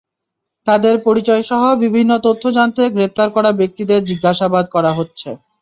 তাঁদের পরিচয়সহ বিভিন্ন তথ্য জানতে গ্রেপ্তার করা ব্যক্তিদের জিজ্ঞাসাবাদ করা হচ্ছে।